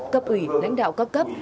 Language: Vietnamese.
cấp ủy lãnh đạo các cấp